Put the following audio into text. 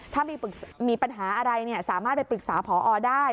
ถ้ามีปัญหาอะไรสามารถไปปรึกษาพอได้